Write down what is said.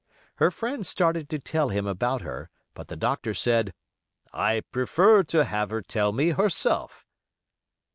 Her friend started to tell him about her, but the doctor said, "I prefer to have her tell me herself."